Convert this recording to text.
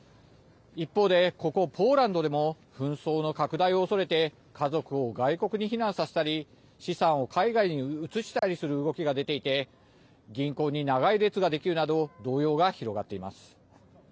一方で、ここポーランドでも紛争の拡大を恐れて家族を外国に避難させたり資産を海外に移したりする動きが出ていて銀行に長い列ができるなど動揺が広がっています。